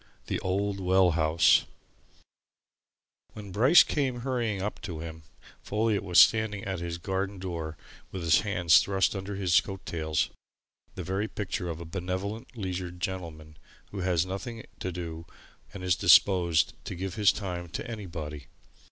THE OLD WELL HOUSE When Bryce came hurrying up to him, Folliot was standing at his garden door with his hands thrust under his coat tails the very picture of a benevolent, leisured gentleman who has nothing to do and is disposed to give his time to anybody.